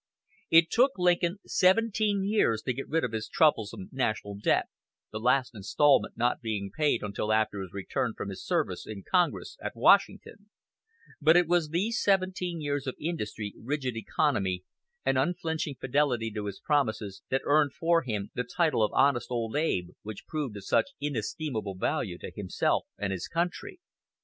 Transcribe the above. It took Lincoln seventeen years to get rid of his troublesome "National Debt," the last instalment not being paid until after his return from his term of service in Congress at Washington; but it was these seventeen years of industry, rigid economy, and unflinching fidelity to his promises that earned for him the title of "Honest Old Abe," which proved of such inestimable value to himself and his country.